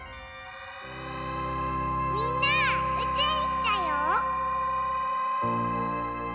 みんなうちゅうにきたよ！